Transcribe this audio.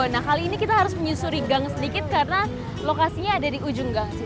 nah kali ini kita harus menyusuri gang sedikit karena lokasinya ada di ujung gang